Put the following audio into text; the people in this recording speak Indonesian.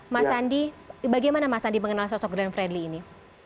mas andi bagaimana mas andi mengenal sosok glenn fredly ini